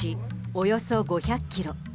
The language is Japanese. およそ５００ｋｍ。